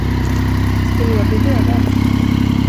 Skulle jag bli dödad.